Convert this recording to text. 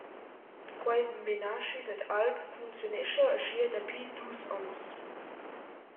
Quei menaschi dad alp funcziunescha aschia dapi dus onns.